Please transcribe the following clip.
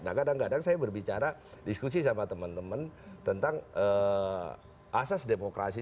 nah kadang kadang saya berbicara diskusi sama teman teman tentang asas demokrasi